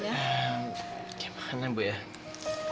kita sudah terserkal di masa brook exiting